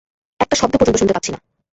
একটা শব্দ পর্যন্ত শুনতে পাচ্ছি না।